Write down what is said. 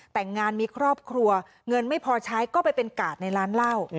แต่งงานมีครอบครัวเงินไม่พอใช้ก็ไปเป็นกาดในร้านเหล้า